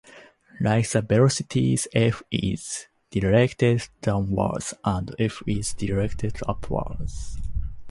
Like the velocities "F" is directed downwards and "F" is directed upwards.